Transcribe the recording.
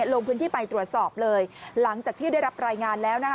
ลงพื้นที่ไปตรวจสอบเลยหลังจากที่ได้รับรายงานแล้วนะคะ